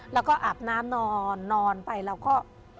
แล้วก็อาบน้ำนอนนอนไปเราก็